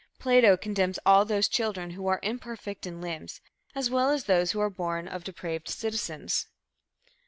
Plato condemns all those children who are imperfect in limbs as well as those who are born of depraved citizens."